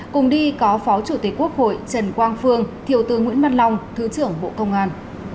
cùng đi có phó chủ tịch quốc hội trần quang phương thiều tướng nguyễn mặt long thứ trưởng bộ công an